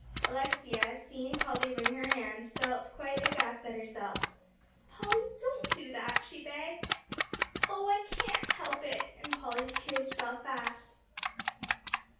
Alexia, seeing Polly wring her hands, felt quite aghast at herself. "Polly, don't do that," she begged. "Oh, I can't help it." And Polly's tears fell fast.